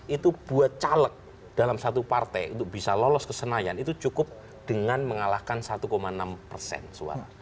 itu buat caleg dalam satu partai untuk bisa lolos ke senayan itu cukup dengan mengalahkan satu enam persen suara